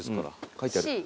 書いてある。